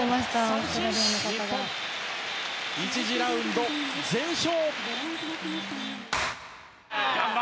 日本、１次ラウンド全勝！